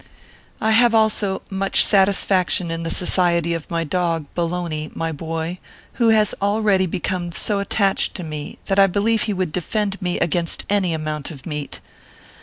I have also much satisfaction in the society of my dog, Bologna, my boy, who has already become so attached to me that I believe he would defend me against any amount of meat.